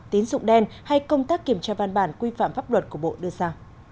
tín dụng đen hay công tác kiểm tra văn bản quy phạm pháp luật của bộ đưa ra